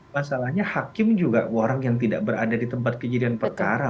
masalahnya hakim juga orang yang tidak berada di tempat kejadian perkara